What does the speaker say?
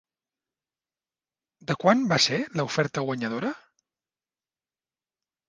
De quant va ser l'oferta guanyadora?